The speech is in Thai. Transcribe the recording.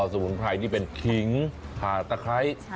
สมุนไพรนี่เป็นขิงหาตะไคร้